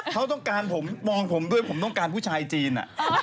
เขาต้องการผมมองผมด้วยผมต้องการผู้ชายจีน